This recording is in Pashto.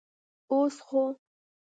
اوس خو.